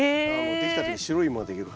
できた時に白いイモができるから。